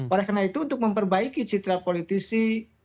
oleh karena itu untuk memperbaiki citra politisi